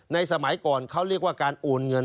สมัยก่อนเขาเรียกว่าการโอนเงิน